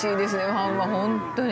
ファンは本当に。